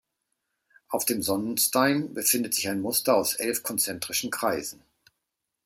Auf dem Sonnenstein befindet sich ein Muster aus elf konzentrischen Kreisen.